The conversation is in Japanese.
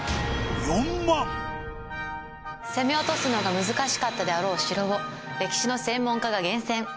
４万木村：攻め落とすのが難しかったであろう城を歴史の専門家が厳選。